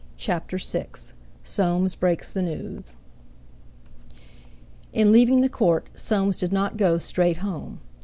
CHAPTER VI SOAMES BREAKS THE NEWS In leaving the Court Soames did not go straight home.